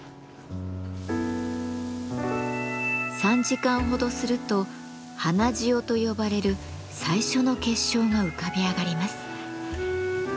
３時間ほどすると花塩と呼ばれる最初の結晶が浮かび上がります。